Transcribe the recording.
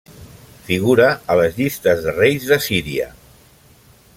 Figura a les llistes de reis d'Assíria.